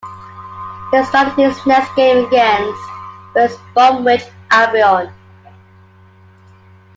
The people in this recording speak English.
He started his next game against West Bromwich Albion.